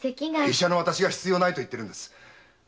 医者の私が必要ないと言ってるんです！